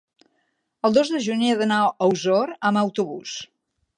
el dos de juny he d'anar a Osor amb autobús.